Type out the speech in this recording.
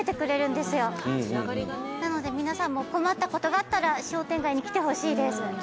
なので皆さんも困ったことがあったら商店街に来てほしいです。